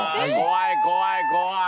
怖い怖い怖い。